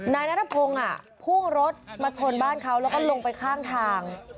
นายนัทพงศ์พุ่งรถมาชนบ้านเขาแล้วก็ลงไปข้างทาง